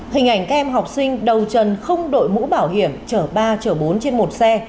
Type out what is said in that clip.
hình ảnh kem học sinh đầu trần không đội mũ bảo hiểm chở ba chở bốn trên một xe